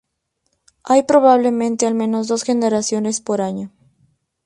Hay probablemente al menos dos generaciones por año.